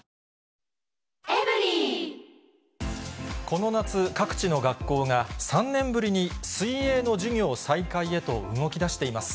この夏、各地の学校が３年ぶりに、水泳の授業再開へと動きだしています。